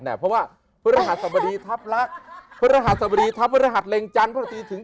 เนี่ยเพราะว่าภรรหาสบดีทรัพย์รักหรือฤริษัทเล็กจันทร์ปฤติถึง